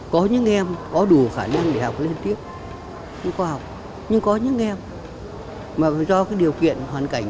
có những em có đủ khả năng để học lên tiếp nhưng có những em mà do cái điều kiện hoàn cảnh